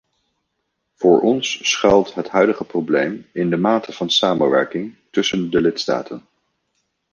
Voor ons schuilt het huidige probleem in de mate van samenwerking tussen de lidstaten.